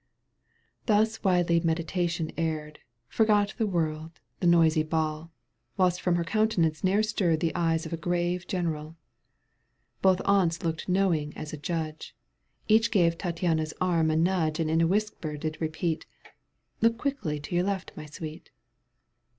Thus widely meditation erred. Forgot the world, the noisy ball. Whilst from her countenance ne'er stirred The eyes of a grave general Both aunts looked knowing as a judge. Each gave Tattiana's arm a nudge And in a whisper did repeat :" Look quickly to your left, my sweet